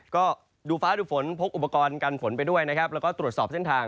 ก็ดูฟ้าดูฝนพกอุปกรณ์กันฝนไปด้วยนะครับแล้วก็ตรวจสอบเส้นทาง